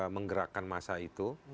menggerakkan masa itu